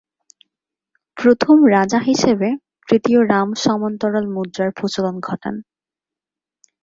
প্রথম রাজা হিসেবে তৃতীয় রাম সমান্তরাল মুদ্রার প্রচলন ঘটান।